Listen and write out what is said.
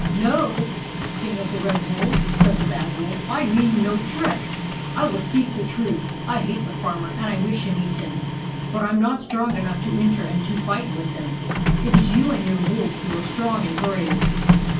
" No, King of the Red Wolves," said the Bad Wolf, " I mean no trick. I will speak the truth. I hate the Farmer, and I wish him eaten ; but I am not strong enough to enter and to fight with him. It is you and your wolves who are strong and brave."